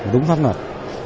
đúng pháp luật